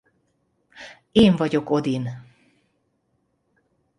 Én vagyok Odin!